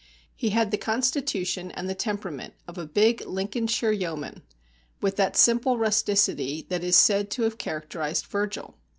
He had the constitution and the temperament of a big Lincolnshire yeoman, with that simple rusticity that is said to have characterised Vergil.